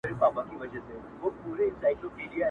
نه مېږیانو زده کړه ژبه د خزدکي-